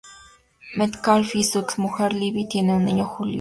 Metcalf y su ex-mujer, Libby, tienen un niño, Julius.